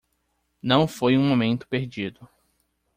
Não foi um momento perdido.